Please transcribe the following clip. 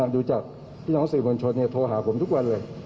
ก็ความดูจากพี่น้องสื่อบนชนโทรหาผมทุกวันเลย